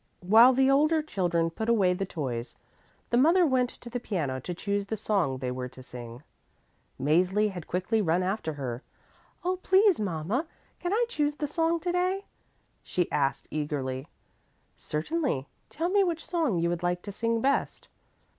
While the older children put away the toys, the mother went to the piano to choose the song they were to sing. Mäzli had quickly run after her. "Oh, please, mama, can I choose the song to day?" she asked eagerly. "Certainly, tell me which song you would like to sing best."